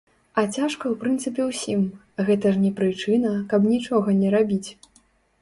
А цяжка ў прынцыпе ўсім, гэта ж не прычына, каб нічога не рабіць.